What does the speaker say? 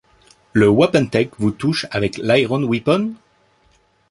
Le wapentake vous touche avec l’iron-weapon ?